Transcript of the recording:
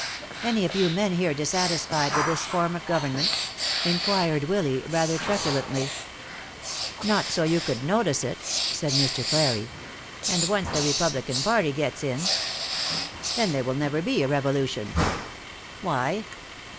"Any of you men here dissatisfied with this form of government?" inquired Willy, rather truculently. "Not so you could notice it," said Mr. Clarey. "And once the Republican party gets in " "Then there will never be a revolution." "Why?"